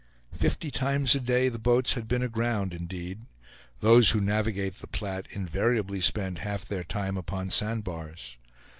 Fifty times a day the boats had been aground, indeed; those who navigate the Platte invariably spend half their time upon sand bars.